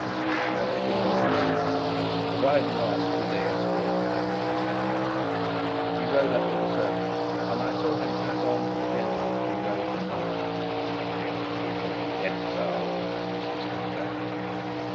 I beckoned to a groom. "Ride and ask whom they escort," I ordered. He rode up to the servants, and I saw him pass on to the gentleman who rode behind. "It's Rupert of Hentzau," whispered Sapt.